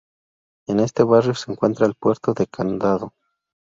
En este barrio se encuentra el puerto de El Candado.